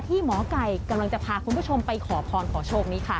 หมอไก่กำลังจะพาคุณผู้ชมไปขอพรขอโชคนี้ค่ะ